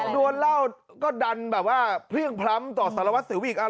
โดนเหล้าก็ดันแบบว่าเพลี่ยงพล้ำต่อสารวัสสิวอีก